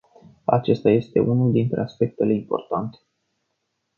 Acesta este unul dintre aspectele importante.